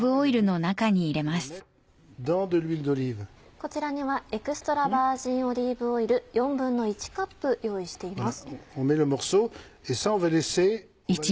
こちらにはエクストラバージンオリーブオイル１／４カップ用意しています。